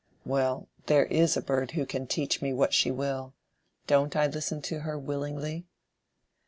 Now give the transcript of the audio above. "Well, there is a bird who can teach me what she will. Don't I listen to her willingly?"